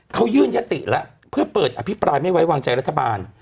เขายื่นยติแล้วเพื่อเปิดอภิปรายไม่ไว้วางใจรัฐบาล